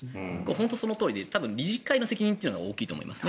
本当、そのとおりで理事会の責任というのが大きいと思います。